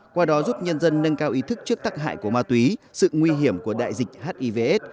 qua đó giúp nhân dân nâng cao ý thức trước tác hại của ma túy sự nguy hiểm của đại dịch hivs